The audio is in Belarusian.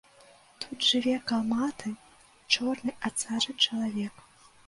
Тут жыве калматы, чорны ад сажы чалавек.